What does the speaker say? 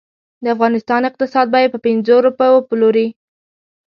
د افغانستان اقتصاد به یې په پنځو روپو وپلوري.